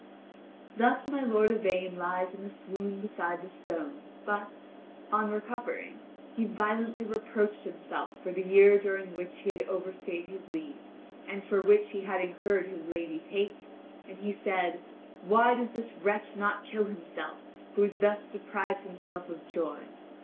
Thus my lord Yvain lies in a swoon beside the stone, but, on recovering, he violently reproached himself for the year during which he had overstayed his leave, and for which he had incurred his lady's hate, and he said: "Why does this wretch not kill himself who has thus deprived himself of joy?